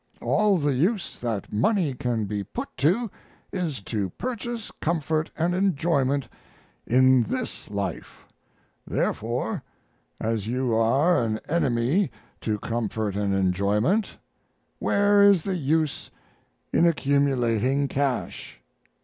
All the use that money can be put to is to purchase comfort and enjoyment in this life; therefore, as you are an enemy to comfort and enjoyment, where is the use in accumulating cash?